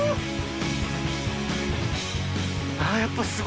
あやっぱすごい。